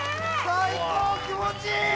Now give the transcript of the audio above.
最高気持ちいい！